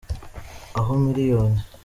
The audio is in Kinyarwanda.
aho miliyoni.